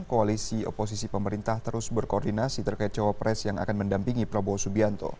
koalisi oposisi pemerintah terus berkoordinasi terkait cawapres yang akan mendampingi prabowo subianto